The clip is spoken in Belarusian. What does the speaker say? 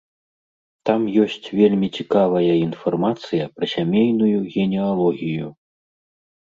Там ёсць вельмі цікавая інфармацыя пра сямейную генеалогію.